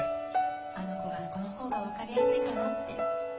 あの子がこの方がわかりやすいかなって